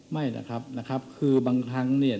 ไม่นะครับคือบางครั้ง